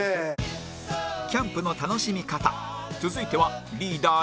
キャンプの楽しみ方続いてはリーダー